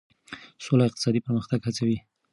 سوله اقتصادي پرمختګ هڅوي.